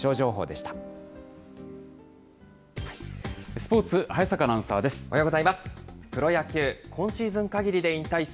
スポーツ、早坂アナウンサーです。